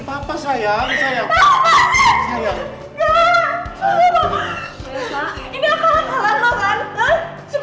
papa di rumah beres beres